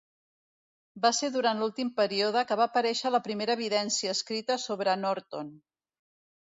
Va ser durant l'últim període que va aparèixer la primera evidència escrita sobre Norton.